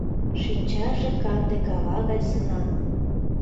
Шинчаже канде кава гай сынан.